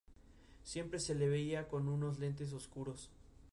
La oposición interpreta esta renuncia como falta de gobernabilidad de la presidente.